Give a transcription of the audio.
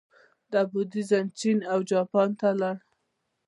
دا بودیزم چین او جاپان ته لاړ